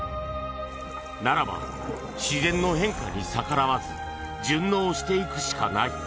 ならば自然の変化に逆らわず順応していくしかない。